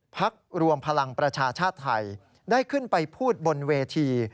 พักรวมพลังประชาชาติไทยได้ขึ้นไปพูดบนเวที